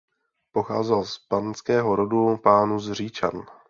Pocházel z panského rodu pánů z Říčan.